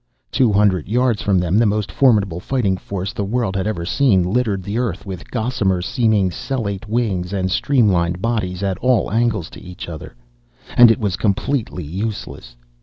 Two hundred yards from them the most formidable fighting force the world had ever seen littered the earth with gossamer seeming cellate wings and streamlined bodies at all angles to each other. And it was completely useless.